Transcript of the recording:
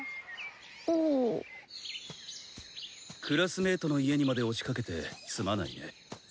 クラスメートの家にまで押しかけてすまないね。